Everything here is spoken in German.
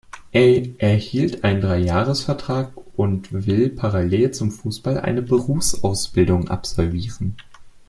Er erhielt einen Dreijahresvertrag und will parallel zum Fußball eine Berufsausbildung absolvieren.